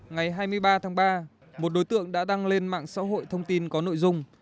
ngày hai mươi ba tháng ba một đối tượng đã đăng lên mạng xã hội thông tin có nội dung